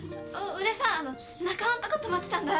俺さあの中央のとこ泊まってたんだ。